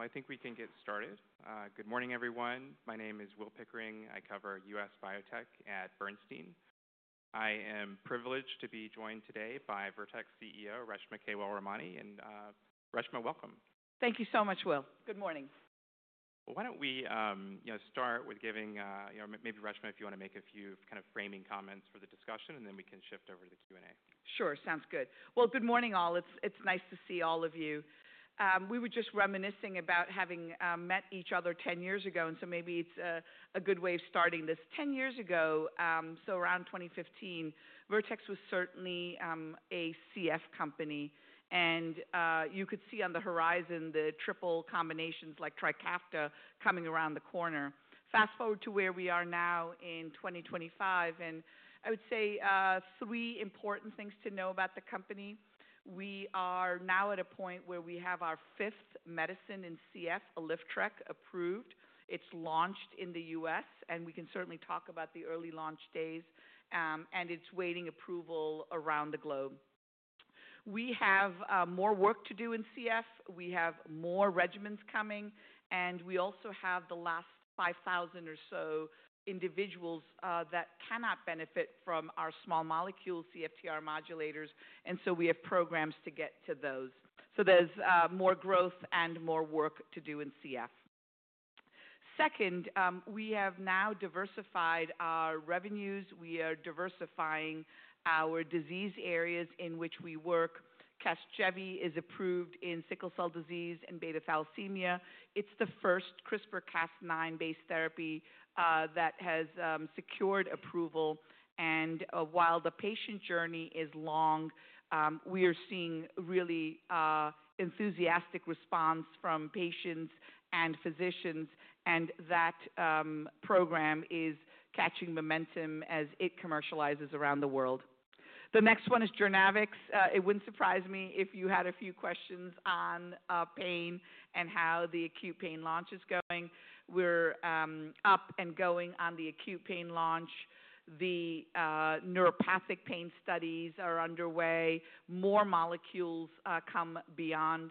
All right, I think we can get started. Good morning, everyone. My name is Will Pickering. I cover U.S. biotech at Bernstein. I am privileged to be joined today by Vertex CEO Reshma Kewalramani. Reshma, welcome. Thank you so much, Will. Good morning. Why don't we start with giving maybe Reshma, if you want to make a few kind of framing comments for the discussion, and then we can shift over to the Q&A. Sure, sounds good. Good morning, all. It's nice to see all of you. We were just reminiscing about having met each other 10 years ago, and so maybe it's a good way of starting this. Ten years ago, so around 2015, Vertex was certainly a CF company. You could see on the horizon the triple combinations like Trikafta coming around the corner. Fast forward to where we are now in 2025. I would say three important things to know about the company. We are now at a point where we have our fifth medicine in CF, Alyftrek, approved. It's launched in the U.S. We can certainly talk about the early launch days. It's waiting approval around the globe. We have more work to do in CF. We have more regimens coming. We also have the last 5,000 or so individuals that cannot benefit from our small molecule CFTR modulators. We have programs to get to those. There is more growth and more work to do in CF. Second, we have now diversified our revenues. We are diversifying our disease areas in which we work. is approved in sickle cell disease and beta thalassemia. It is the first CRISPR-Cas9-based therapy that has secured approval. While the patient journey is long, we are seeing really enthusiastic response from patients and physicians. That program is catching momentum as it commercializes around the world. The next one is JOURNAVX. It would not surprise me if you had a few questions on pain and how the acute pain launch is going. We are up and going on the acute pain launch. The neuropathic pain studies are underway. More molecules come beyond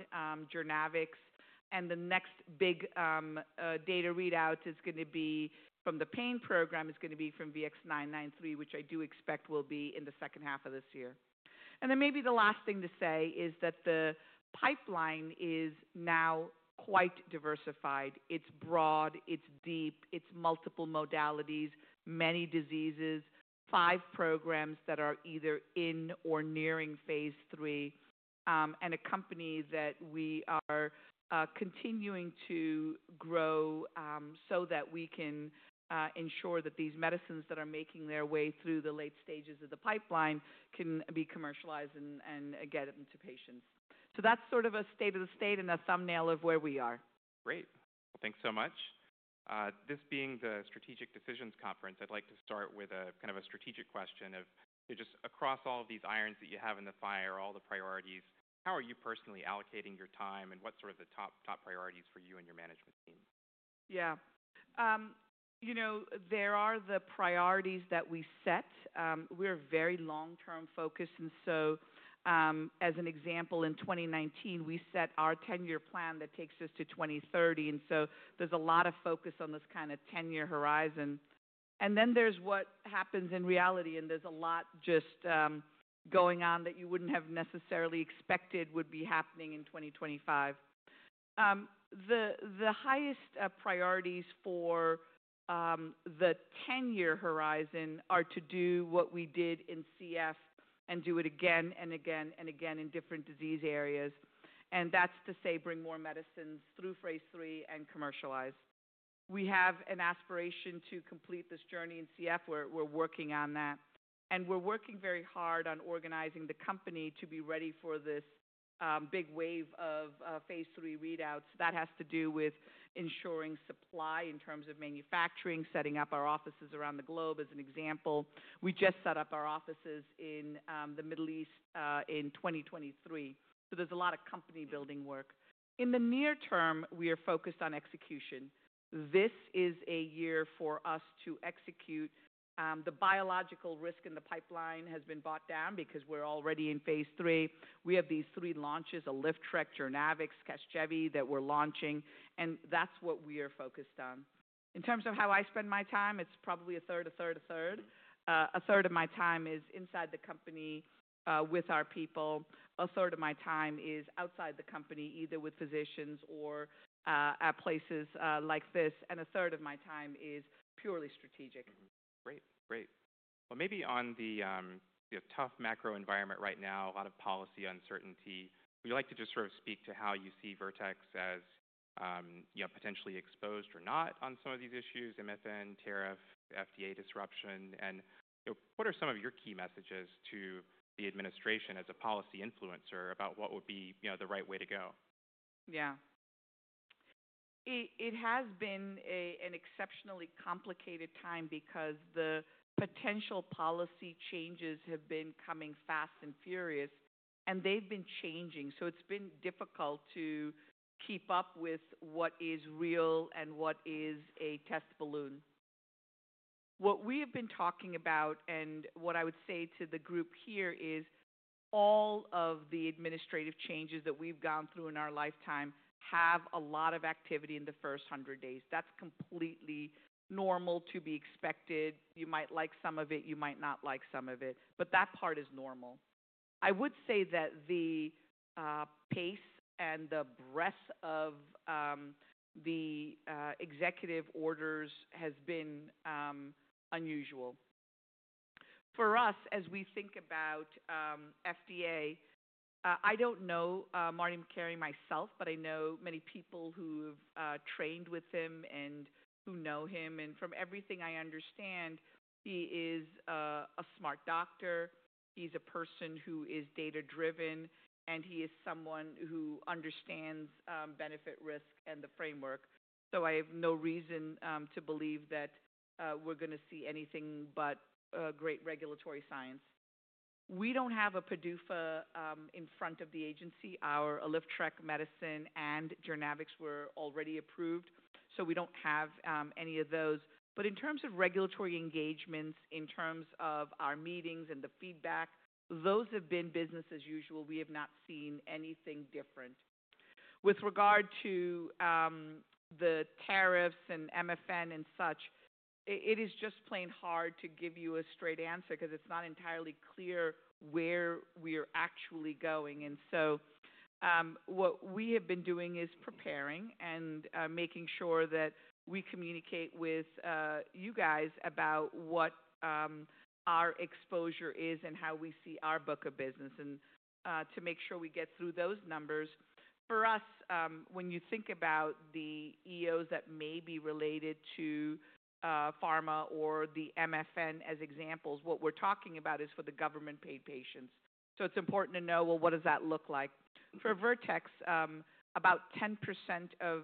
JOURNAVX. The next big data readout is going to be from the pain program, is going to be from VX-993, which I do expect will be in the second half of this year. Maybe the last thing to say is that the pipeline is now quite diversified. It is broad, it is deep, it is multiple modalities, many diseases, five programs that are either in or nearing phase three. A company that we are continuing to grow so that we can ensure that these medicines that are making their way through the late stages of the pipeline can be commercialized and get them to patients. That is sort of a state of the state and a thumbnail of where we are. Great. Thanks so much. This being the Strategic Decisions Conference, I'd like to start with a kind of a strategic question of just across all of these irons that you have in the fire, all the priorities, how are you personally allocating your time and what sort of the top priorities for you and your management team? Yeah. You know, there are the priorities that we set. We're very long-term focused. As an example, in 2019, we set our 10-year plan that takes us to 2030. There is a lot of focus on this kind of 10-year horizon. Then there is what happens in reality. There is a lot just going on that you wouldn't have necessarily expected would be happening in 2025. The highest priorities for the 10-year horizon are to do what we did in CF and do it again and again and again in different disease areas. That is to say bring more medicines through phase three and commercialize. We have an aspiration to complete this journey in CF. We're working on that. We're working very hard on organizing the company to be ready for this big wave of phase three readouts. That has to do with ensuring supply in terms of manufacturing, setting up our offices around the globe, as an example. We just set up our offices in the Middle East in 2023. There is a lot of company-building work. In the near term, we are focused on execution. This is a year for us to execute. The biological risk in the pipeline has been brought down because we are already in phase III. We have these three launches: Alyftrek, JOURNAVX, CASGEVY that we are launching. That is what we are focused on. In terms of how I spend my time, it is probably a third, a third, a third. A third of my time is inside the company with our people. A third of my time is outside the company, either with physicians or at places like this. A third of my time is purely strategic. Great, great. Maybe on the tough macro environment right now, a lot of policy uncertainty. Would you like to just sort of speak to how you see Vertex as potentially exposed or not on some of these issues: MFN, tariff, FDA disruption? What are some of your key messages to the administration as a policy influencer about what would be the right way to go? Yeah. It has been an exceptionally complicated time because the potential policy changes have been coming fast and furious. And they've been changing. It's been difficult to keep up with what is real and what is a test balloon. What we have been talking about and what I would say to the group here is all of the administrative changes that we've gone through in our lifetime have a lot of activity in the first 100 days. That's completely normal to be expected. You might like some of it. You might not like some of it. That part is normal. I would say that the pace and the breadth of the executive orders has been unusual. For us, as we think about FDA, I don't know Marty Makary myself, but I know many people who have trained with him and who know him. From everything I understand, he is a smart doctor. He's a person who is data-driven. He is someone who understands benefit-risk and the framework. I have no reason to believe that we're going to see anything but great regulatory science. We don't have a PDUFA in front of the agency. Our Alyftrek, medicine, and JOURNAVX were already approved. We don't have any of those. In terms of regulatory engagements, in terms of our meetings and the feedback, those have been business as usual. We have not seen anything different. With regard to the tariffs and MFN and such, it is just plain hard to give you a straight answer because it's not entirely clear where we are actually going. What we have been doing is preparing and making sure that we communicate with you guys about what our exposure is and how we see our book of business and to make sure we get through those numbers. For us, when you think about the EOs that may be related to pharma or the MFN as examples, what we are talking about is for the government-paid patients. It is important to know, well, what does that look like? For Vertex, about 10% of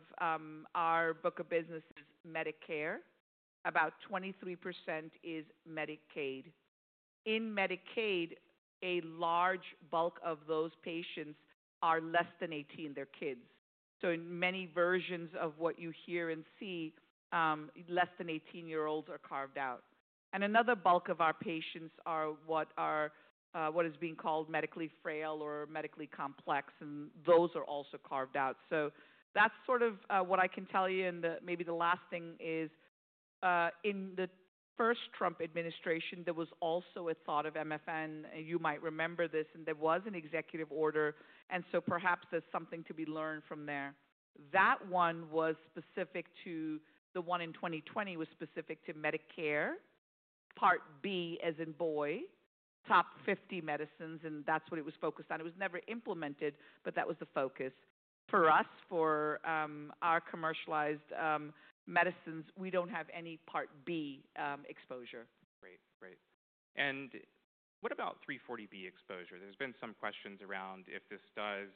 our book of business is Medicare. About 23% is Medicaid. In Medicaid, a large bulk of those patients are less than 18. They are kids. In many versions of what you hear and see, less than 18-year-olds are carved out. Another bulk of our patients are what is being called medically frail or medically complex. Those are also carved out. That's sort of what I can tell you. Maybe the last thing is in the first Trump administration, there was also a thought of MFN. You might remember this. There was an executive order. Perhaps there's something to be learned from there. That one, the one in 2020, was specific to Medicare Part B, as in boy, top 50 medicines. That's what it was focused on. It was never implemented, but that was the focus. For us, for our commercialized medicines, we don't have any Part B exposure. Great, great. What about 340B exposure? There's been some questions around if this does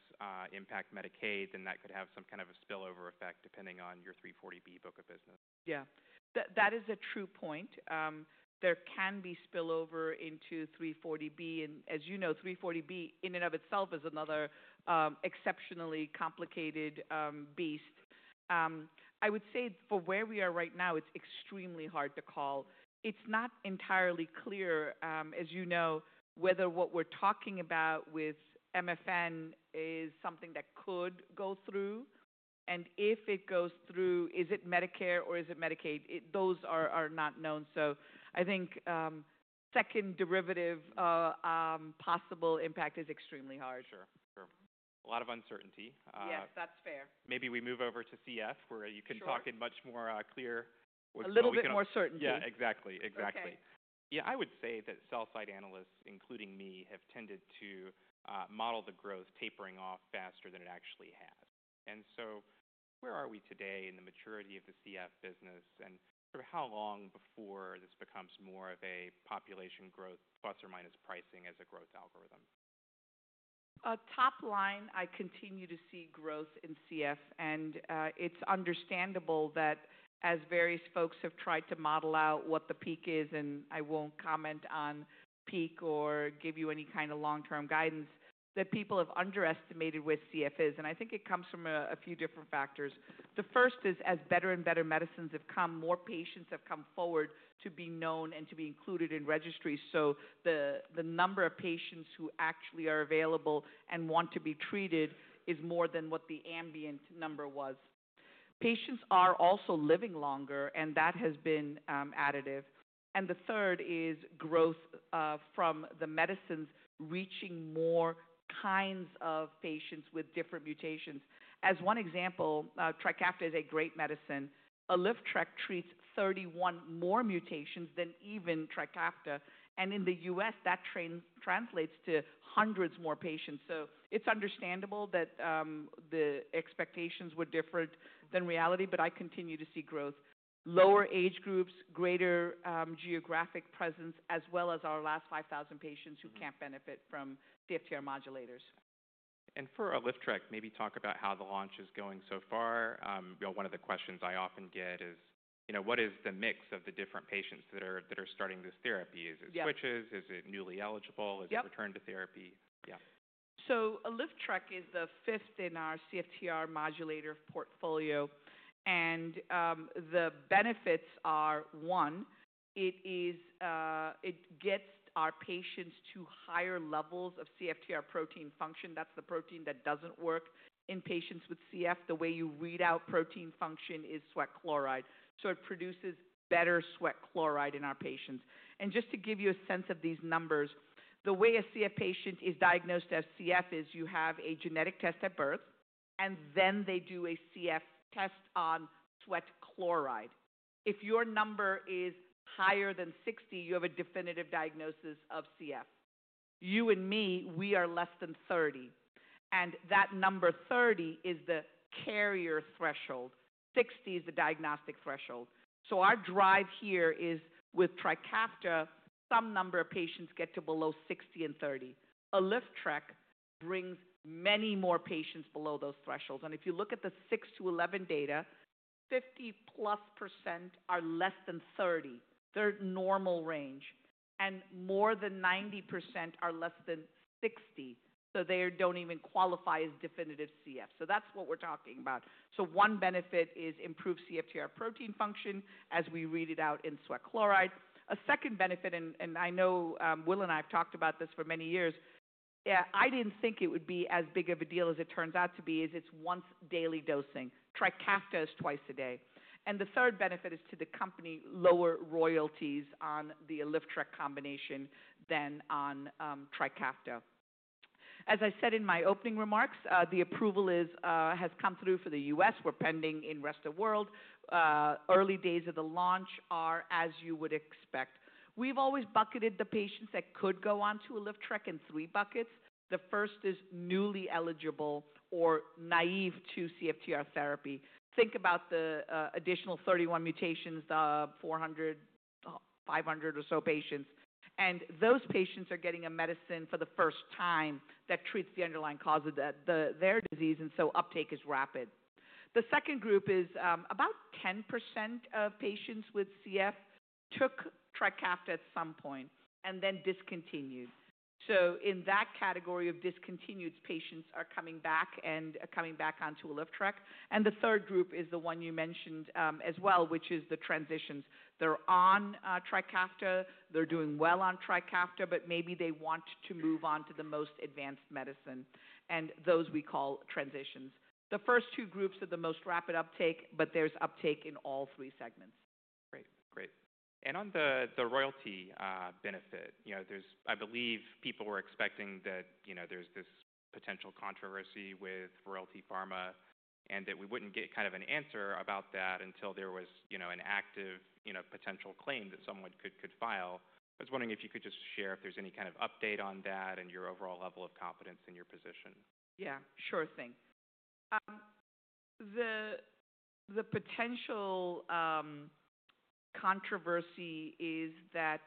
impact Medicaid, then that could have some kind of a spillover effect depending on your 340B book of business. Yeah. That is a true point. There can be spillover into 340B. And as you know, 340B in and of itself is another exceptionally complicated beast. I would say for where we are right now, it's extremely hard to call. It's not entirely clear, as you know, whether what we're talking about with MFN is something that could go through. And if it goes through, is it Medicare or is it Medicaid? Those are not known. I think second derivative possible impact is extremely hard. Sure, sure. A lot of uncertainty. Yes, that's fair. Maybe we move over to CF where you can talk in much more clear. A little bit more certainty. Yeah, exactly, exactly. Yeah, I would say that sell-side analysts, including me, have tended to model the growth tapering off faster than it actually has. Where are we today in the maturity of the CF business? Sort of how long before this becomes more of a population growth plus or minus pricing as a growth algorithm? Top line, I continue to see growth in CF. It is understandable that as various folks have tried to model out what the peak is, and I will not comment on peak or give you any kind of long-term guidance, that people have underestimated where CF is. I think it comes from a few different factors. The first is as better and better medicines have come, more patients have come forward to be known and to be included in registry. The number of patients who actually are available and want to be treated is more than what the ambient number was. Patients are also living longer, and that has been additive. The third is growth from the medicines reaching more kinds of patients with different mutations. As one example, Trikafta is a great medicine. Alyftrek treats 31 more mutations than even Trikafta. In the U.S., that translates to hundreds more patients. It is understandable that the expectations were different than reality. I continue to see growth, lower age groups, greater geographic presence, as well as our last 5,000 patients who can't benefit from CFTR modulators. For Alyftrek, maybe talk about how the launch is going so far. One of the questions I often get is, you know, what is the mix of the different patients that are starting this therapy? Is it switches? Is it newly eligible? Is it return to therapy? Yeah. Alyftrek is the fifth in our CFTR modulator portfolio. The benefits are, one, it gets our patients to higher levels of CFTR protein function. That's the protein that doesn't work in patients with CF. The way you read out protein function is sweat chloride. It produces better sweat chloride in our patients. Just to give you a sense of these numbers, the way a CF patient is diagnosed to have CF is you have a genetic test at birth, and then they do a CF test on sweat chloride. If your number is higher than 60, you have a definitive diagnosis of CF. You and me, we are less than 30. That number 30 is the carrier threshold. 60 is the diagnostic threshold. Our drive here is with Trikafta, some number of patients get to below 60 and 30. Alyftrek brings many more patients below those thresholds. If you look at the 6-11 data, 50+% are less than 30. They are normal range. More than 90% are less than 60. They do not even qualify as definitive CF. That is what we are talking about. One benefit is improved CFTR protein function as we read it out in sweat chloride. A second benefit, and I know Will and I have talked about this for many years, I did not think it would be as big of a deal as it turns out to be, is it is once daily dosing. Trikafta is twice a day. The third benefit is to the company, lower royalties on the Alyftrek combination than on Trikafta. As I said in my opening remarks, the approval has come through for the U.S. We're pending in the rest of the world. Early days of the launch are, as you would expect. We've always bucketed the patients that could go onto Alyftrek in three buckets. The first is newly eligible or naive to CFTR therapy. Think about the additional 31 mutations, the 400-500 or so patients. And those patients are getting a medicine for the first time that treats the underlying cause of their disease. And so uptake is rapid. The second group is about 10% of patients with CF took Trikafta at some point and then discontinued. So in that category of discontinued, patients are coming back and coming back onto Alyftrek. And the third group is the one you mentioned as well, which is the transitions. They're on Trikafta. They're doing well on Trikafta, but maybe they want to move on to the most advanced medicine. Those we call transitions. The first two groups are the most rapid uptake, but there's uptake in all three segments. Great, great. On the royalty benefit, I believe people were expecting that there's this potential controversy with Royalty Pharma and that we wouldn't get kind of an answer about that until there was an active potential claim that someone could file. I was wondering if you could just share if there's any kind of update on that and your overall level of confidence in your position. Yeah, sure thing. The potential controversy is that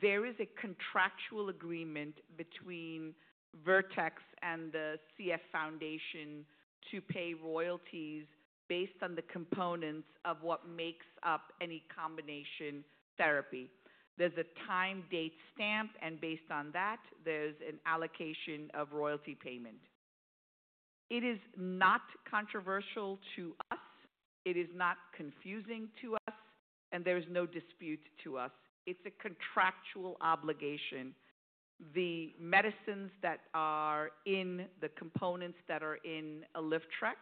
there is a contractual agreement between Vertex and the CF Foundation to pay royalties based on the components of what makes up any combination therapy. There is a time date stamp. Based on that, there is an allocation of royalty payment. It is not controversial to us. It is not confusing to us. There is no dispute to us. It is a contractual obligation. The medicines that are in the components that are in Alyftrek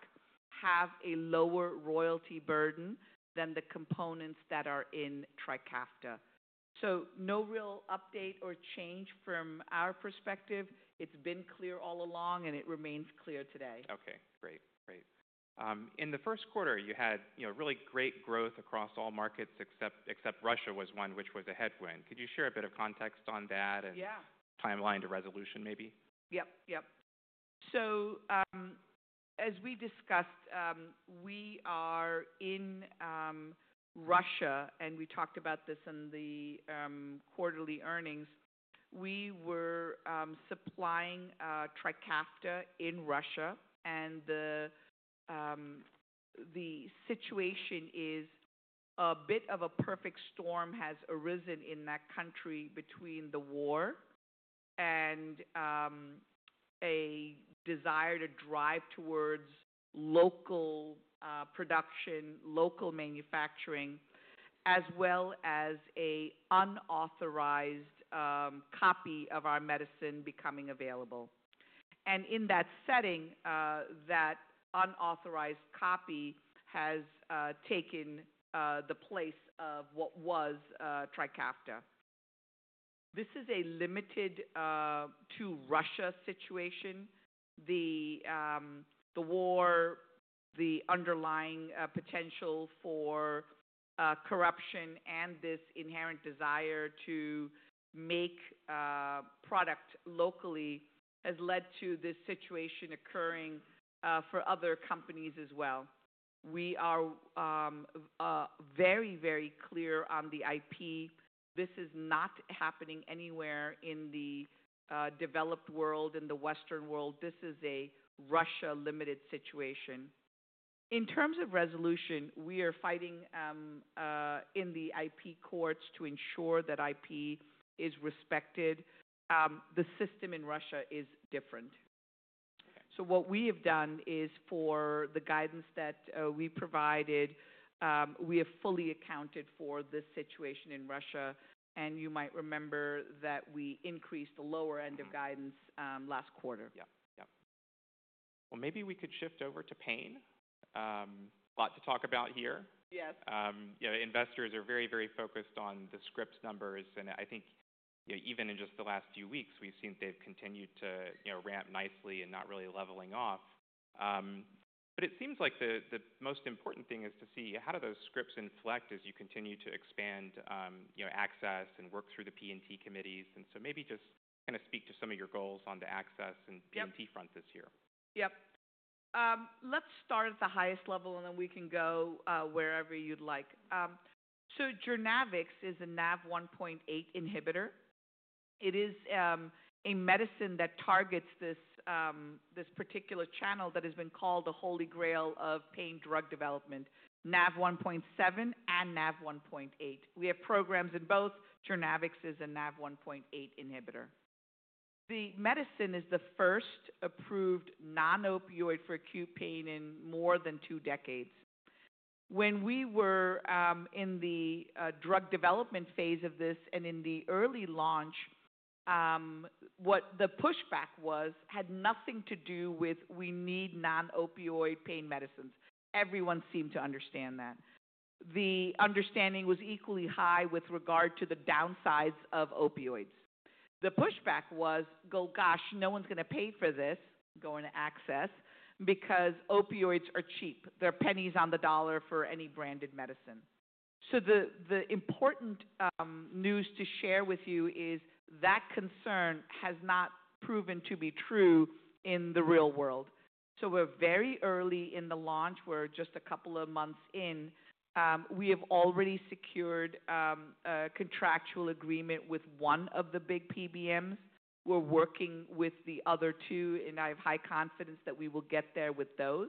have a lower royalty burden than the components that are in Trikafta. No real update or change from our perspective. It has been clear all along, and it remains clear today. Okay, great, great. In the first quarter, you had really great growth across all markets, except Russia was one, which was a headwind. Could you share a bit of context on that and timeline to resolution maybe? Yeah, yeah. As we discussed, we are in Russia, and we talked about this in the quarterly earnings. We were supplying Trikafta in Russia. The situation is a bit of a perfect storm has arisen in that country between the war and a desire to drive towards local production, local manufacturing, as well as an unauthorized copy of our medicine becoming available. In that setting, that unauthorized copy has taken the place of what was Trikafta. This is a limited to Russia situation. The war, the underlying potential for corruption, and this inherent desire to make product locally has led to this situation occurring for other companies as well. We are very, very clear on the IP. This is not happening anywhere in the developed world, in the Western world. This is a Russia-limited situation. In terms of resolution, we are fighting in the IP courts to ensure that IP is respected. The system in Russia is different. What we have done is for the guidance that we provided, we have fully accounted for this situation in Russia. You might remember that we increased the lower end of guidance last quarter. Yeah, yeah. Maybe we could shift over to pain, a lot to talk about here. Yes. Investors are very, very focused on the scripts numbers. I think even in just the last few weeks, we've seen they've continued to ramp nicely and not really leveling off. It seems like the most important thing is to see how do those scripts inflect as you continue to expand access and work through the P&T committees. Maybe just kind of speak to some of your goals on the access and P&T front this year. Yeah. Let's start at the highest level, and then we can go wherever you'd like. JOURNAVX is a NaV1.8 inhibitor. It is a medicine that targets this particular channel that has been called the holy grail of pain drug development, NaV1.7 and NaV1.8. We have programs in both. JOURNAVX is a NaV1.8 inhibitor. The medicine is the first approved non-opioid for acute pain in more than two decades. When we were in the drug development phase of this and in the early launch, what the pushback was had nothing to do with we need non-opioid pain medicines. Everyone seemed to understand that. The understanding was equally high with regard to the downsides of opioids. The pushback was, well, gosh, no one's going to pay for this, going to access, because opioids are cheap. They're pennies on the dollar for any branded medicine. The important news to share with you is that concern has not proven to be true in the real world. We're very early in the launch. We're just a couple of months in. We have already secured a contractual agreement with one of the big PBMs. We're working with the other two, and I have high confidence that we will get there with those.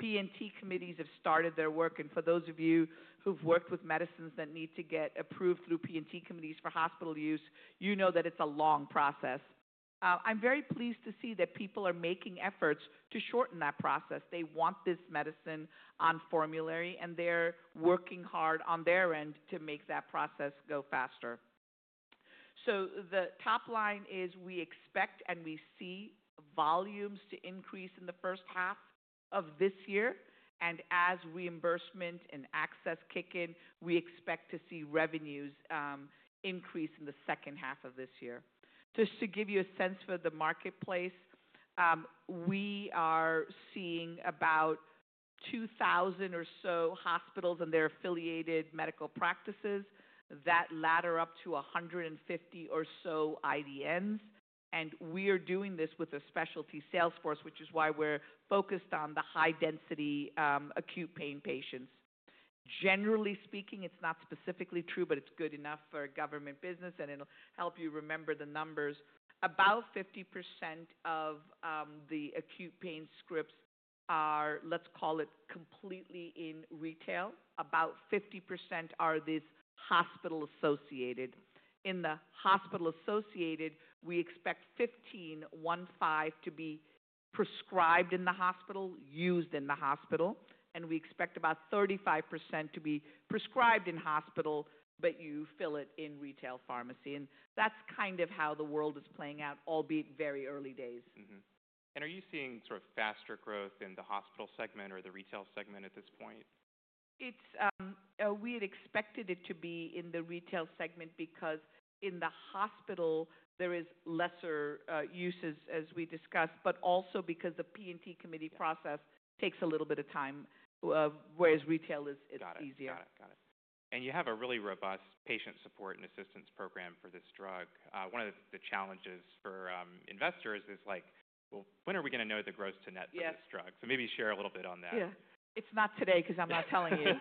P&T committees have started their work. For those of you who've worked with medicines that need to get approved through P&T committees for hospital use, you know that it's a long process. I'm very pleased to see that people are making efforts to shorten that process. They want this medicine on formulary, and they're working hard on their end to make that process go faster. The top line is we expect and we see volumes to increase in the first half of this year. As reimbursement and access kick in, we expect to see revenues increase in the second half of this year. Just to give you a sense for the marketplace, we are seeing about 2,000 or so hospitals and their affiliated medical practices that ladder up to 150 or so IDNs. We are doing this with a specialty sales force, which is why we're focused on the high-density acute pain patients. Generally speaking, it's not specifically true, but it's good enough for government business. It'll help you remember the numbers. About 50% of the acute pain scripts are, let's call it, completely in retail. About 50% are these hospital associated. In the hospital associated, we expect 15 to be prescribed in the hospital, used in the hospital. We expect about 35% to be prescribed in hospital, but you fill it in retail pharmacy. That is kind of how the world is playing out, albeit very early days. Are you seeing sort of faster growth in the hospital segment or the retail segment at this point? We had expected it to be in the retail segment because in the hospital, there is lesser uses, as we discussed, but also because the P&T committee process takes a little bit of time, whereas retail is easier. Got it, got it. You have a really robust patient support and assistance program for this drug. One of the challenges for investors is like, well, when are we going to know the gross to net for this drug? Maybe share a little bit on that. Yeah. It's not today because I'm not telling you.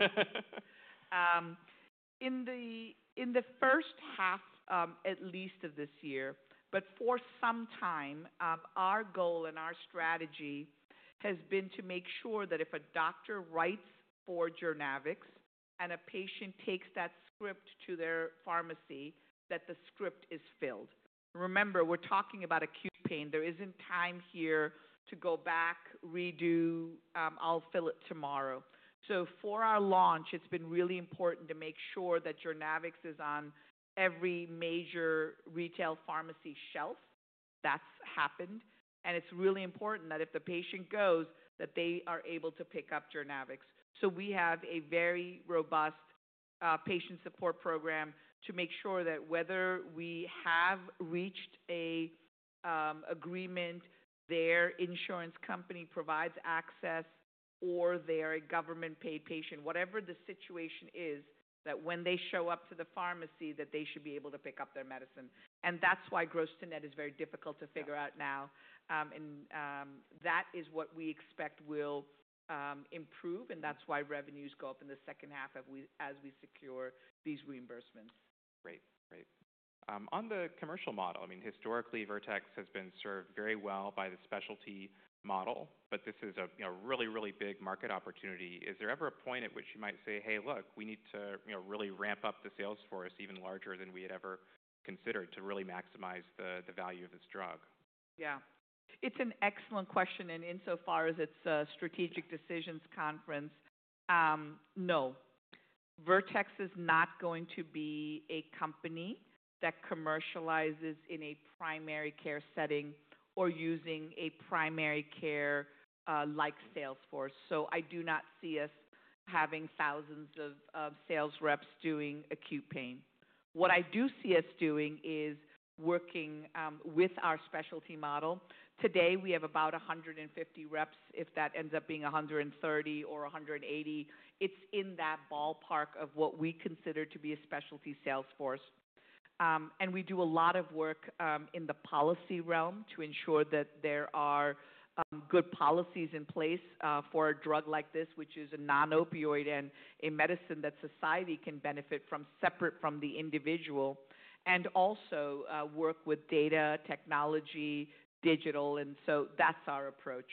In the first half, at least of this year, but for some time, our goal and our strategy has been to make sure that if a doctor writes for JOURNAVX and a patient takes that script to their pharmacy, that the script is filled. Remember, we're talking about acute pain. There isn't time here to go back, redo, I'll fill it tomorrow. For our launch, it's been really important to make sure that JOURNAVX is on every major retail pharmacy shelf. That's happened. It's really important that if the patient goes, that they are able to pick up JOURNAVX. We have a very robust patient support program to make sure that whether we have reached an agreement, their insurance company provides access, or their government-paid patient, whatever the situation is, that when they show up to the pharmacy, they should be able to pick up their medicine. That is why gross to net is very difficult to figure out now. That is what we expect will improve. That is why revenues go up in the second half as we secure these reimbursements. Great, great. On the commercial model, I mean, historically, Vertex has been served very well by the specialty model, but this is a really, really big market opportunity. Is there ever a point at which you might say, hey, look, we need to really ramp up the sales force even larger than we had ever considered to really maximize the value of this drug? Yeah. It's an excellent question. Insofar as it's a strategic decisions conference, no. Vertex is not going to be a company that commercializes in a primary care setting or using a primary care-like sales force. I do not see us having thousands of sales reps doing acute pain. What I do see us doing is working with our specialty model. Today, we have about 150 reps, if that ends up being 130 reps or 180 reps. It's in that ballpark of what we consider to be a specialty sales force. We do a lot of work in the policy realm to ensure that there are good policies in place for a drug like this, which is a non-opioid and a medicine that society can benefit from separate from the individual, and also work with data, technology, digital. That's our approach.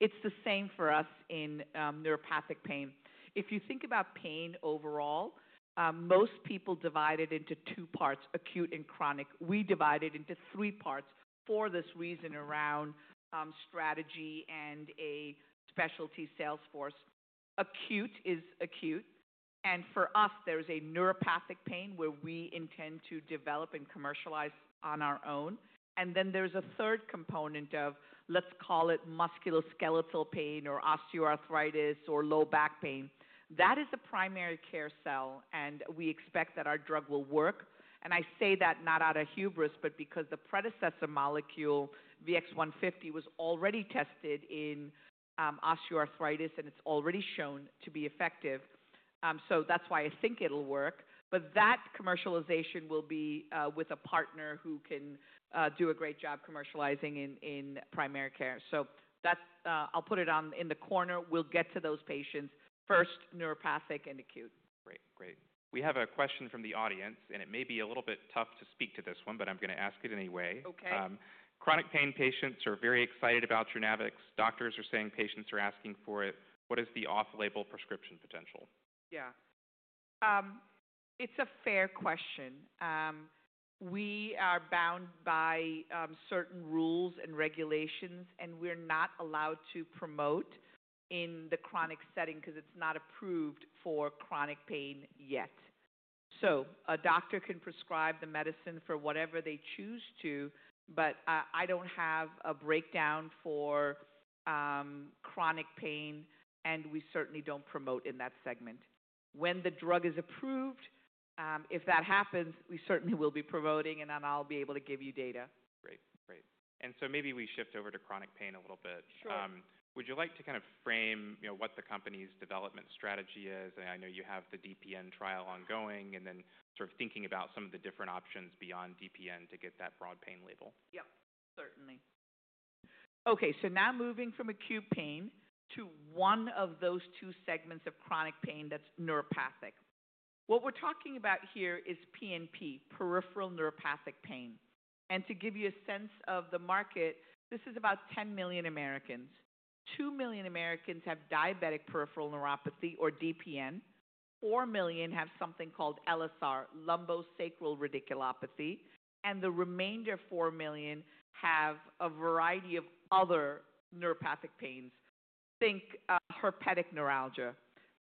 It's the same for us in neuropathic pain. If you think about pain overall, most people divide it into two parts, acute and chronic. We divide it into three parts for this reason around strategy and a specialty sales force. Acute is acute. And for us, there is a neuropathic pain where we intend to develop and commercialize on our own. Then there's a third component of, let's call it musculoskeletal pain or osteoarthritis or low back pain. That is the primary care cell. We expect that our drug will work. I say that not out of hubris, but because the predecessor molecule, VX-150, was already tested in osteoarthritis, and it's already shown to be effective. That's why I think it'll work. That commercialization will be with a partner who can do a great job commercializing in primary care. I'll put it in the corner. We'll get to those patients, first neuropathic and acute. Great, great. We have a question from the audience, and it may be a little bit tough to speak to this one, but I'm going to ask it anyway. Okay. Chronic pain patients are very excited about JOURNAVX. Doctors are saying patients are asking for it. What is the off-label prescription potential? Yeah. It's a fair question. We are bound by certain rules and regulations, and we're not allowed to promote in the chronic setting because it's not approved for chronic pain yet. A doctor can prescribe the medicine for whatever they choose to, but I don't have a breakdown for chronic pain, and we certainly don't promote in that segment. When the drug is approved, if that happens, we certainly will be promoting, and then I'll be able to give you data. Great, great. Maybe we shift over to chronic pain a little bit. Sure. Would you like to kind of frame what the company's development strategy is? I know you have the DPN trial ongoing and then sort of thinking about some of the different options beyond DPN to get that broad pain label. Yep, certainly. Okay, now moving from acute pain to one of those two segments of chronic pain that's neuropathic. What we're talking about here is PNP, peripheral neuropathic pain. To give you a sense of the market, this is about 10 million Americans. 2 million Americans have diabetic peripheral neuropathy or DPN. Four million have something called LSR, lumbosacral radiculopathy. The remainder, 4 million, have a variety of other neuropathic pains. Think herpetic neuralgia.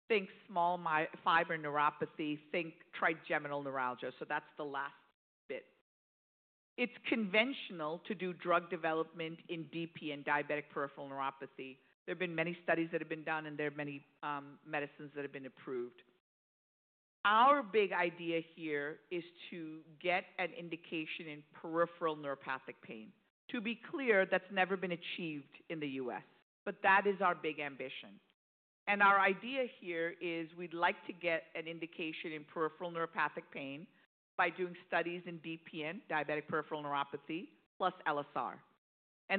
Think small fiber neuropathy. Think trigeminal neuralgia. That's the last bit. It's conventional to do drug development in DPN, diabetic peripheral neuropathy. There have been many studies that have been done, and there are many medicines that have been approved. Our big idea here is to get an indication in peripheral neuropathic pain. To be clear, that's never been achieved in the U.S., but that is our big ambition. Our idea here is we'd like to get an indication in peripheral neuropathic pain by doing studies in DPN, diabetic peripheral neuropathy, plus LSR.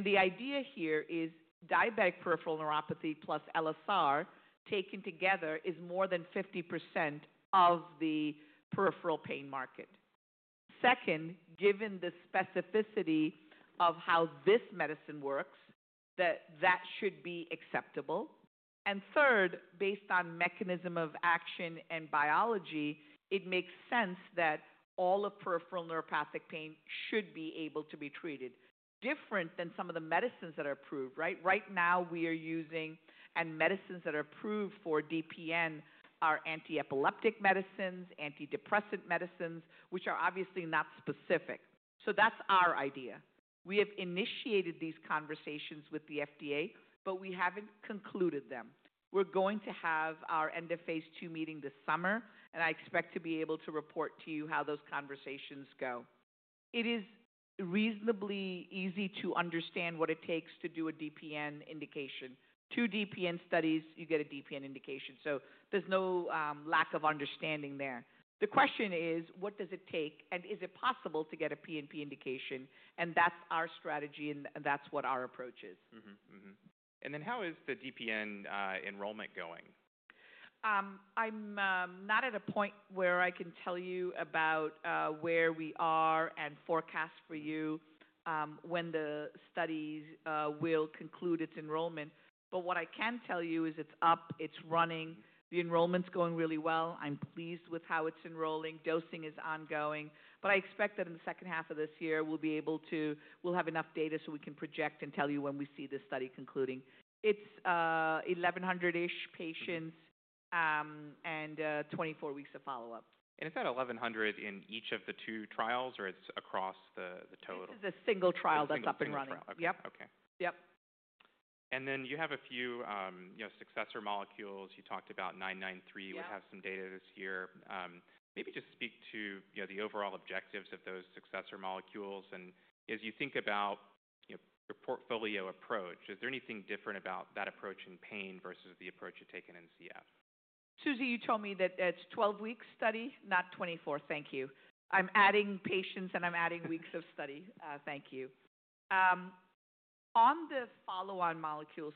The idea here is diabetic peripheral neuropathy plus LSR taken together is more than 50% of the peripheral pain market. Second, given the specificity of how this medicine works, that should be acceptable. Third, based on mechanism of action and biology, it makes sense that all of peripheral neuropathic pain should be able to be treated. Different than some of the medicines that are approved, right? Right now, we are using and medicines that are approved for DPN are anti-epileptic medicines, antidepressant medicines, which are obviously not specific. That's our idea. We have initiated these conversations with the FDA, but we haven't concluded them. We're going to have our end of phase II meeting this summer, and I expect to be able to report to you how those conversations go. It is reasonably easy to understand what it takes to do a DPN indication. Two DPN studies, you get a DPN indication. There is no lack of understanding there. The question is, what does it take, and is it possible to get a PNP indication? That is our strategy, and that is what our approach is. How is the DPN enrollment going? I'm not at a point where I can tell you about where we are and forecast for you when the studies will conclude its enrollment. What I can tell you is it's up. It's running. The enrollment's going really well. I'm pleased with how it's enrolling. Dosing is ongoing. I expect that in the second half of this year, we'll be able to, we'll have enough data so we can project and tell you when we see this study concluding. It's 1,100-ish patients and 24 weeks of follow-up. Is that 1,100 in each of the two trials, or is it across the total? It's a single trial that's up and running. Yep. Okay. Yep. You have a few successor molecules. You talked about VX-993. We have some data this year. Maybe just speak to the overall objectives of those successor molecules. As you think about your portfolio approach, is there anything different about that approach in pain versus the approach you've taken in CF? Susie, you told me that it's a 12-week study, not 24. Thank you. I'm adding patients, and I'm adding weeks of study. Thank you. On the follow-on molecules,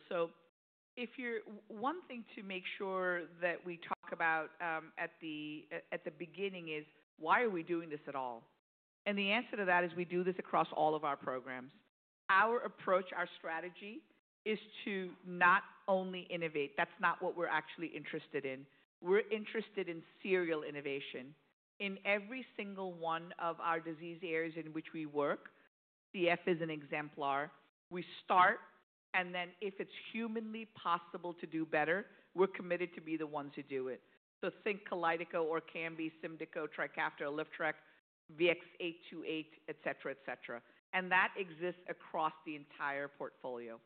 if you're one thing to make sure that we talk about at the beginning is, why are we doing this at all? The answer to that is we do this across all of our programs. Our approach, our strategy is to not only innovate. That's not what we're actually interested in. We're interested in serial innovation. In every single one of our disease areas in which we work, CF is an exemplar. We start, and then if it's humanly possible to do better, we're committed to be the ones who do it. Think Kalydeco, Orkambi, Symdeko, Trikafta, Alyftrek, VX-828, et cetera, et cetera. That exists across the entire portfolio.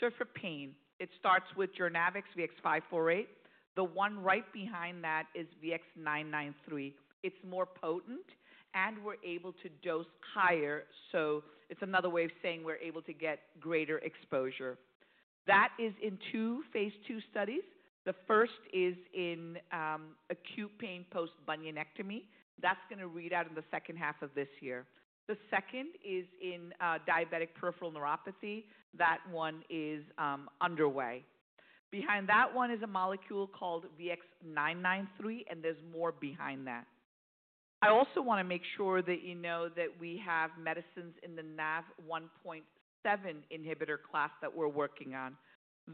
For pain, it starts with JOURNAVX, VX-548. The one right behind that is VX-993. It's more potent, and we're able to dose higher. So it's another way of saying we're able to get greater exposure. That is in two phase II studies. The first is in acute pain post-bunionectomy. That's going to read out in the second half of this year. The second is in diabetic peripheral neuropathy. That one is underway. Behind that one is a molecule called VX-993, and there's more behind that. I also want to make sure that you know that we have medicines in the NaV1.7 inhibitor class that we're working on.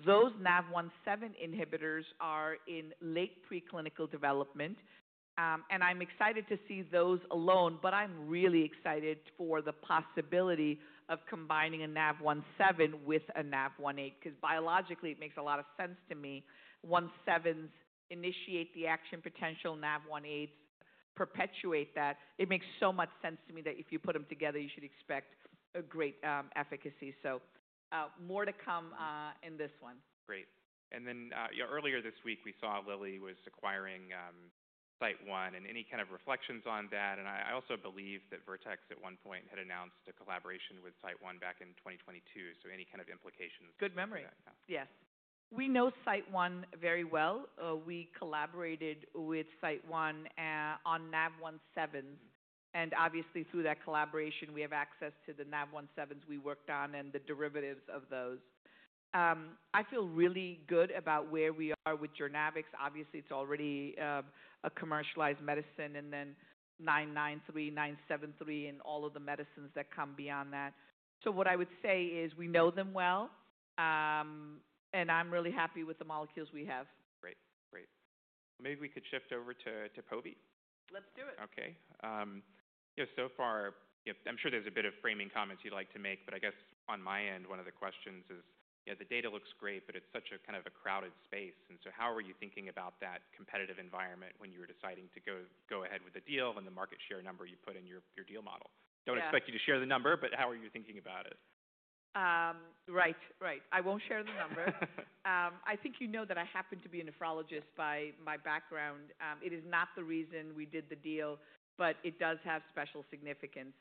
Those NaV1.7 inhibitors are in late preclinical development. And I'm excited to see those alone, but I'm really excited for the possibility of combining a NaV1.7 with a NaV1.8 because biologically, it makes a lot of sense to me. 1.7s initiate the action potential. NaV1.8s perpetuate that. It makes so much sense to me that if you put them together, you should expect a great efficacy. More to come in this one. Great. Earlier this week, we saw Lilly was acquiring SiteOne. Any kind of reflections on that? I also believe that Vertex at one point had announced a collaboration with SiteOne back in 2022. Any kind of implications? Good memory. Yes. We know SiteOne very well. We collaborated with SiteOne on NaV1.7s. Obviously, through that collaboration, we have access to the NaV1.7s we worked on and the derivatives of those. I feel really good about where we are with JOURNAVX. Obviously, it's already a commercialized medicine. Then VX-993, VX-973, and all of the medicines that come beyond that. What I would say is we know them well, and I'm really happy with the molecules we have. Great, great. Maybe we could shift over to Poby. Let's do it. Okay. So far, I'm sure there's a bit of framing comments you'd like to make, but I guess on my end, one of the questions is the data looks great, but it's such a kind of a crowded space. How are you thinking about that competitive environment when you were deciding to go ahead with the deal and the market share number you put in your deal model? I don't expect you to share the number, but how are you thinking about it? Right, right. I won't share the number. I think you know that I happen to be a nephrologist by my background. It is not the reason we did the deal, but it does have special significance.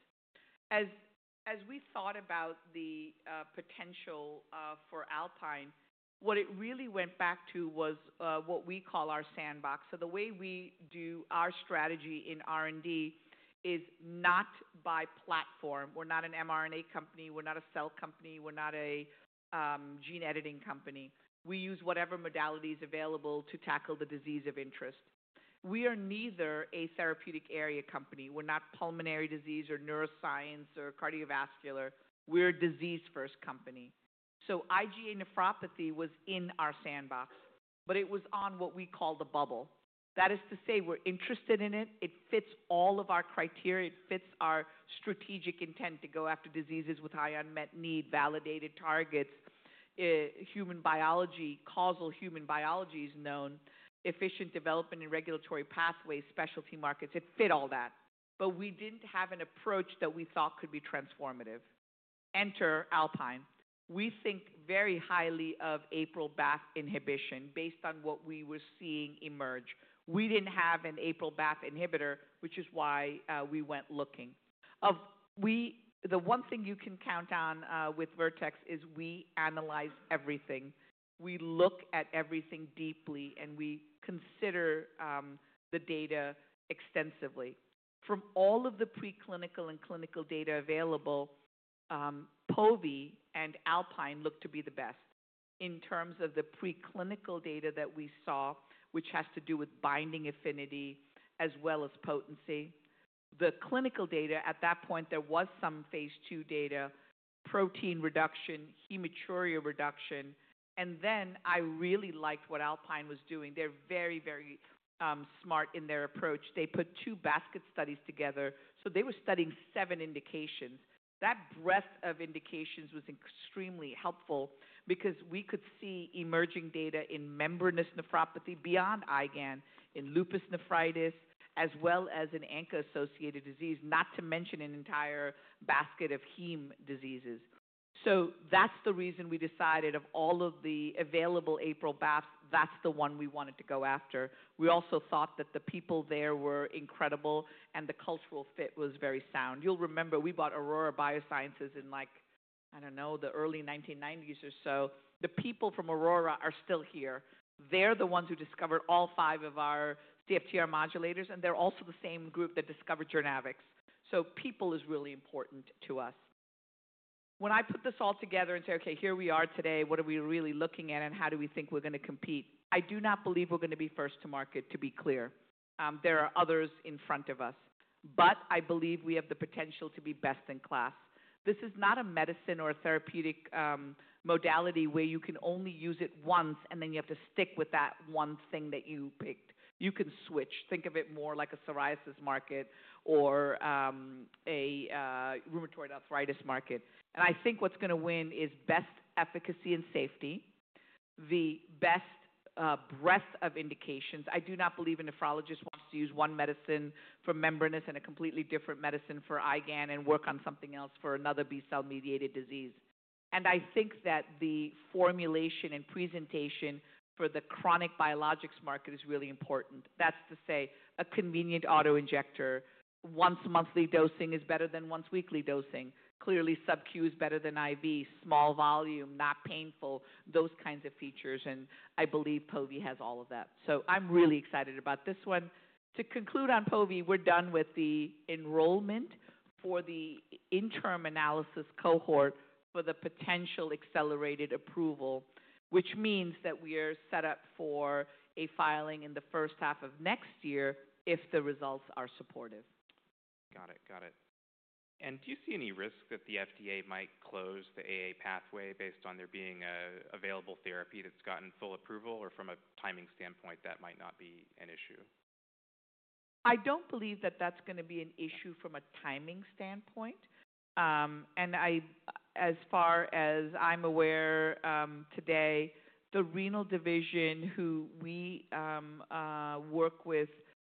As we thought about the potential for Alpine, what it really went back to was what we call our sandbox. The way we do our strategy in R&D is not by platform. We're not an mRNA company. We're not a cell company. We're not a gene editing company. We use whatever modalities available to tackle the disease of interest. We are neither a therapeutic area company. We're not pulmonary disease or neuroscience or cardiovascular. We're a disease-first company. IgA nephropathy was in our sandbox, but it was on what we call the bubble. That is to say, we're interested in it. It fits all of our criteria. It fits our strategic intent to go after diseases with high unmet need, validated targets, human biology, causal human biology is known, efficient development and regulatory pathways, specialty markets. It fit all that. We did not have an approach that we thought could be transformative. Enter Alpine. We think very highly of APRIL pathway inhibition based on what we were seeing emerge. We did not have an APRIL pathway inhibitor, which is why we went looking. The one thing you can count on with Vertex is we analyze everything. We look at everything deeply, and we consider the data extensively. From all of the preclinical and clinical data available, povetacicept and Alpine look to be the best in terms of the preclinical data that we saw, which has to do with binding affinity as well as potency. The clinical data, at that point, there was some phase two data, protein reduction, hematuria reduction. I really liked what Alpine was doing. They're very, very smart in their approach. They put two basket studies together. They were studying seven indications. That breadth of indications was extremely helpful because we could see emerging data in membranous nephropathy beyond IgA nephropathy, in lupus nephritis, as well as in ANCA-associated disease, not to mention an entire basket of heme diseases. That's the reason we decided of all of the available APRIL baths, that's the one we wanted to go after. We also thought that the people there were incredible, and the cultural fit was very sound. You'll remember we bought Aurora Biosciences in, like, I don't know, the early 1990s or so. The people from Aurora are still here. They're the ones who discovered all five of our CFTR modulators, and they're also the same group that discovered JOURNAVX. People is really important to us. When I put this all together and say, okay, here we are today, what are we really looking at, and how do we think we're going to compete? I do not believe we're going to be first to market, to be clear. There are others in front of us, but I believe we have the potential to be best in class. This is not a medicine or a therapeutic modality where you can only use it once, and then you have to stick with that one thing that you picked. You can switch. Think of it more like a psoriasis market or a rheumatoid arthritis market. I think what's going to win is best efficacy and safety, the best breadth of indications. I do not believe a nephrologist wants to use one medicine for membranous and a completely different medicine for IgAN and work on something else for another B-cell-mediated disease. I think that the formulation and presentation for the chronic biologics market is really important. That is to say a convenient autoinjector, once monthly dosing is better than once weekly dosing. Clearly, subQ is better than IV, small volume, not painful, those kinds of features. I believe Poby has all of that. I am really excited about this one. To conclude on Poby, we are done with the enrollment for the interim analysis cohort for the potential accelerated approval, which means that we are set up for a filing in the first half of next year if the results are supportive. Got it, got it. Do you see any risk that the FDA might close the AA pathway based on there being available therapy that's gotten full approval or from a timing standpoint that might not be an issue? I don't believe that that's going to be an issue from a timing standpoint. As far as I'm aware today, the renal division who we work with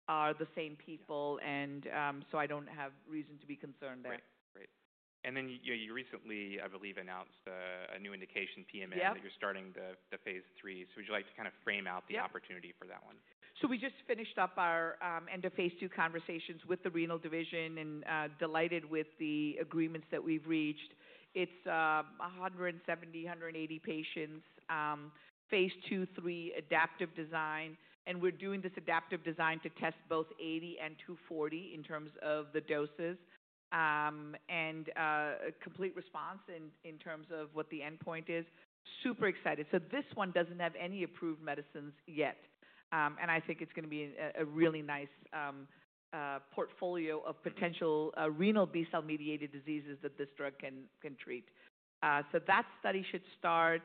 are the same people, and so I don't have reason to be concerned there. Right, right. You recently, I believe, announced a new indication, PMN, that you're starting the phase III. Would you like to kind of frame out the opportunity for that one? We just finished up our end of phase II conversations with the renal division and delighted with the agreements that we've reached. It's 170 patients-180 patients, phase II-III, adaptive design. We're doing this adaptive design to test both 80 and 240 in terms of the doses and complete response in terms of what the endpoint is. Super excited. This one doesn't have any approved medicines yet. I think it's going to be a really nice portfolio of potential renal B-cell-mediated diseases that this drug can treat. That study should start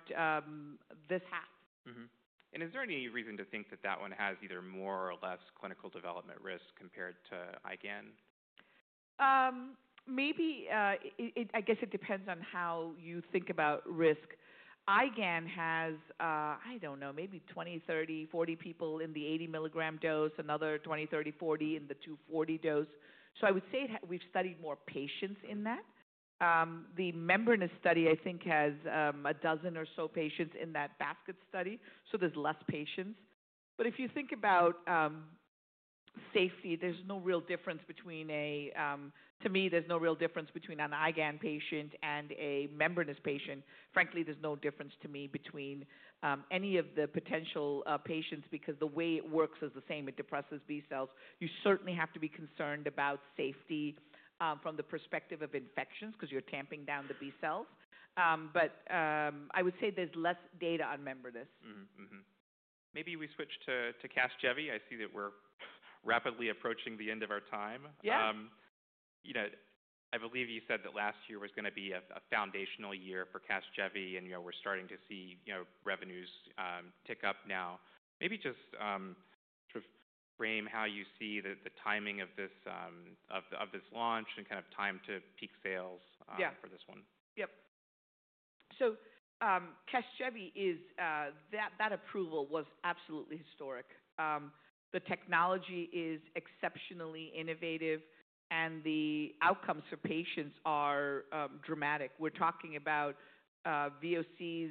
this half. Is there any reason to think that that one has either more or less clinical development risk compared to IgAN? Maybe, I guess it depends on how you think about risk. IgAN has, I don't know, maybe 20-30-40 people in the 80 milligram dose, another 20-30-40 in the 240 ml dose. So I would say we've studied more patients in that. The membranous study, I think, has a dozen or so patients in that basket study, so there's less patients. If you think about safety, there's no real difference between a, to me, there's no real difference between an IgAN patient and a membranous patient. Frankly, there's no difference to me between any of the potential patients because the way it works is the same. It depresses B-cells. You certainly have to be concerned about safety from the perspective of infections because you're tamping down the B-cells. I would say there's less data on membranous. Maybe we switch to CASGEVY. I see that we're rapidly approaching the end of our time. Yes. I believe you said that last year was going to be a foundational year for CASGEVY, and we're starting to see revenues tick up now. Maybe just sort of frame how you see the timing of this launch and kind of time to peak sales for this one. Yep. CASGEVY is that approval was absolutely historic. The technology is exceptionally innovative, and the outcomes for patients are dramatic. We're talking about VOCs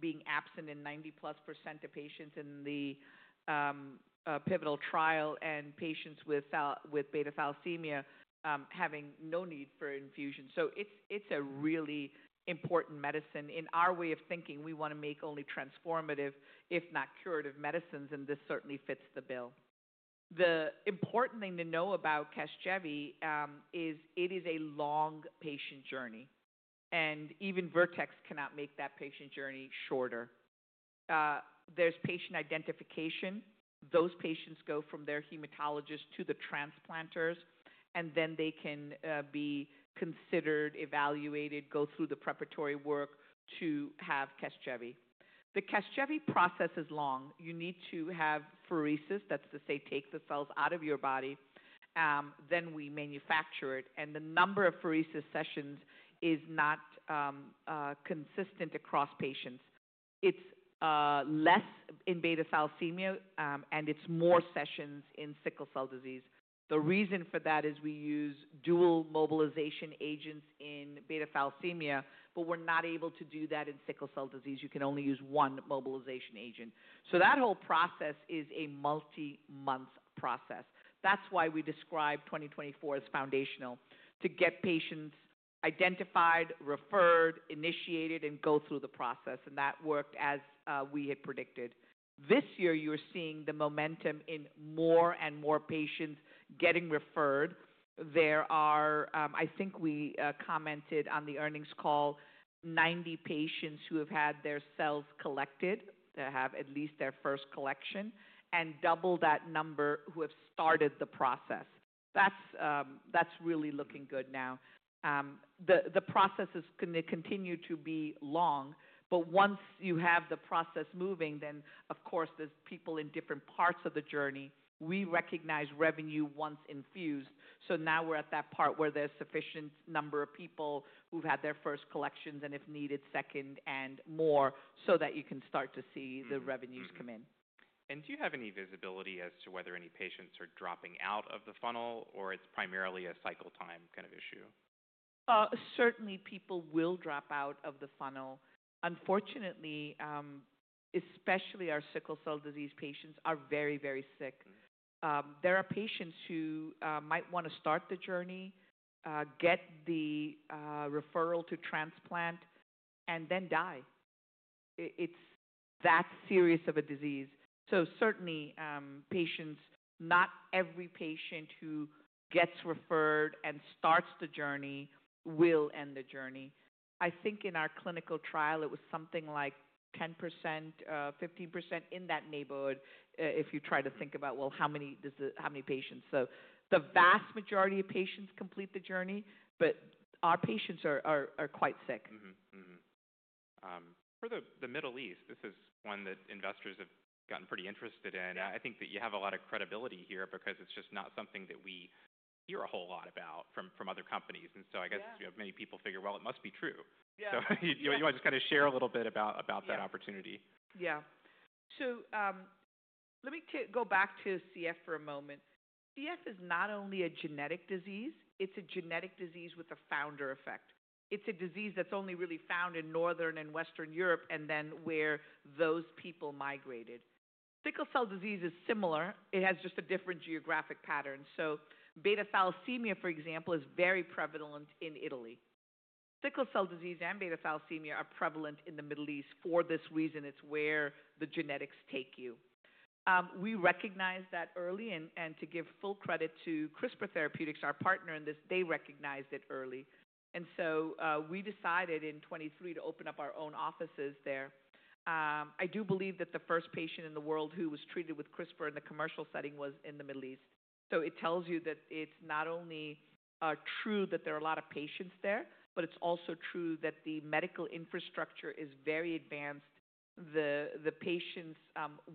being absent in 90+% of patients in the pivotal trial and patients with beta thalassemia having no need for infusion. It is a really important medicine. In our way of thinking, we want to make only transformative, if not curative medicines, and this certainly fits the bill. The important thing to know about CASGEVY is it is a long patient journey, and even Vertex cannot make that patient journey shorter. There's patient identification. Those patients go from their hematologist to the transplanters, and then they can be considered, evaluated, go through the preparatory work to have CASGEVY. The CASGEVY process is long. You need to have pheresis, that's to say take the cells out of your body. We manufacture it. The number of pheresis sessions is not consistent across patients. It is less in beta thalassemia, and it is more sessions in sickle cell disease. The reason for that is we use dual mobilization agents in beta thalassemia, but we are not able to do that in sickle cell disease. You can only use one mobilization agent. That whole process is a multi-month process. That is why we describe 2024 as foundational, to get patients identified, referred, initiated, and go through the process. That worked as we had predicted. This year, you are seeing the momentum in more and more patients getting referred. I think we commented on the earnings call, 90 patients have had their cells collected, that have at least their first collection, and double that number have started the process. That's really looking good now. The process is going to continue to be long, but once you have the process moving, then of course, these people in different parts of the journey. We recognize revenue once infused. Now we are at that part where there is a sufficient number of people who have had their first collections and, if needed, second and more so that you can start to see the revenues come in. Do you have any visibility as to whether any patients are dropping out of the funnel or it's primarily a cycle time kind of issue? Certainly, people will drop out of the funnel. Unfortunately, especially our sickle cell disease patients are very, very sick. There are patients who might want to start the journey, get the referral to transplant, and then die. It's that serious of a disease. Certainly, patients, not every patient who gets referred and starts the journey will end the journey. I think in our clinical trial, it was something like 10%-15% in that neighborhood if you try to think about, well, how many patients. The vast majority of patients complete the journey, but our patients are quite sick. For the Middle East, this is one that investors have gotten pretty interested in. I think that you have a lot of credibility here because it is just not something that we hear a whole lot about from other companies. I guess many people figure, well, it must be true. You want to just kind of share a little bit about that opportunity. Yeah. Let me go back to CF for a moment. CF is not only a genetic disease, it's a genetic disease with a founder effect. It's a disease that's only really found in Northern and Western Europe and then where those people migrated. Sickle cell disease is similar. It has just a different geographic pattern. Beta thalassemia, for example, is very prevalent in Italy. Sickle cell disease and beta thalassemia are prevalent in the Middle East for this reason. It's where the genetics take you. We recognized that early, and to give full credit to CRISPR Therapeutics, our partner in this, they recognized it early. We decided in 2023 to open up our own offices there. I do believe that the first patient in the world who was treated with CRISPR in the commercial setting was in the Middle East. It tells you that it's not only true that there are a lot of patients there, but it's also true that the medical infrastructure is very advanced. The patients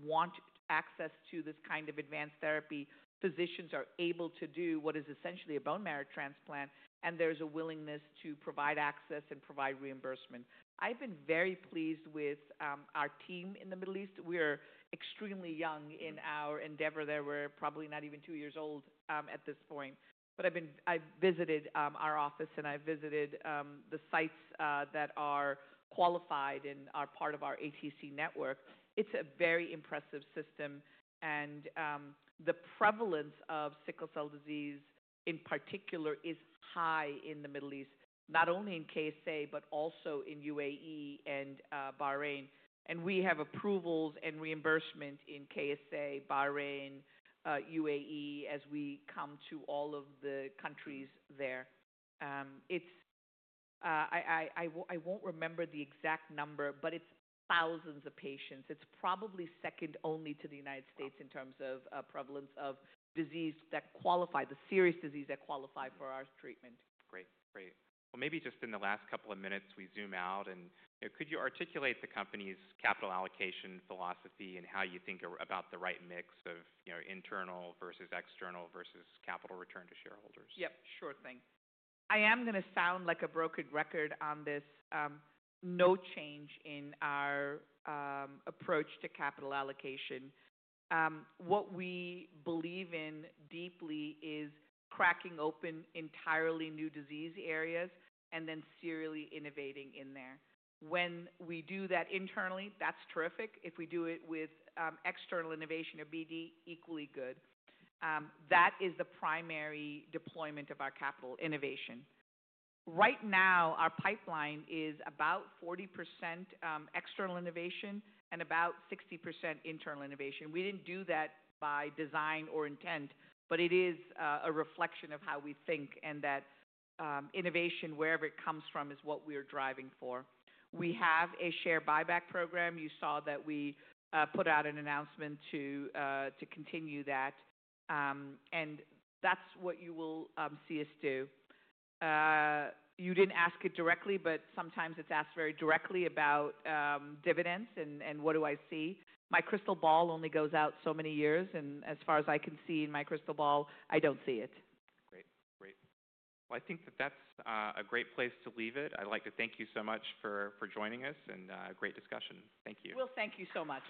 want access to this kind of advanced therapy. Physicians are able to do what is essentially a bone marrow transplant, and there's a willingness to provide access and provide reimbursement. I've been very pleased with our team in the Middle East. We are extremely young in our endeavor. They were probably not even two years old at this point. I have visited our office, and I have visited the sites that are qualified and are part of our ATC network. It's a very impressive system, and the prevalence of sickle cell disease in particular is high in the Middle East, not only in KSA, but also in UAE and Bahrain. We have approvals and reimbursement in KSA, Bahrain, UAE as we come to all of the countries there. I won't remember the exact number, but it's thousands of patients. It's probably second only to the United States in terms of prevalence of disease that qualify, the serious disease that qualify for our treatment. Great, great. Maybe just in the last couple of minutes, we zoom out, and could you articulate the company's capital allocation philosophy and how you think about the right mix of internal versus external versus capital return to shareholders? Yep, sure thing. I am going to sound like a broken record on this. No change in our approach to capital allocation. What we believe in deeply is cracking open entirely new disease areas and then serially innovating in there. When we do that internally, that's terrific. If we do it with external innovation, it'll be equally good. That is the primary deployment of our capital innovation. Right now, our pipeline is about 40% external innovation and about 60% internal innovation. We did not do that by design or intent, but it is a reflection of how we think and that innovation, wherever it comes from, is what we are driving for. We have a share buyback program. You saw that we put out an announcement to continue that, and that's what you will see us do. You didn't ask it directly, but sometimes it's asked very directly about dividends and what do I see. My crystal ball only goes out so many years, and as far as I can see in my crystal ball, I don't see it. Great, great. I think that that's a great place to leave it. I'd like to thank you so much for joining us and a great discussion. Thank you. Will, thank you so much.